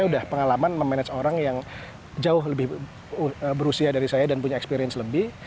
dan saya juga pengalaman memanage orang yang jauh lebih berusia dari saya dan punya experience lebih